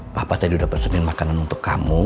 papa tadi udah pesenin makanan untuk kamu